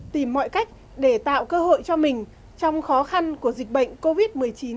tìm mọi cách để tạo cơ hội cho mình trong khó khăn của dịch bệnh covid một mươi chín